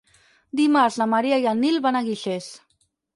Dimarts na Maria i en Nil van a Guixers.